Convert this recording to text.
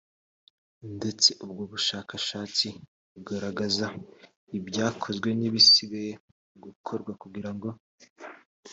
ndetse ubwo bushakashatsi bukagaragaza ibyakozwe n ibisigaye gukorwa kugira ngo